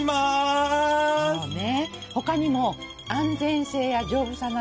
そうね。